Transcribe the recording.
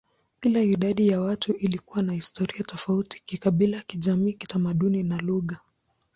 Kila idadi ya watu ilikuwa na historia tofauti kikabila, kijamii, kitamaduni, na lugha.